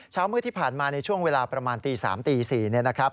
เช้ามืดที่ผ่านมาในช่วงเวลาประมาณตี๓ตี๔เนี่ยนะครับ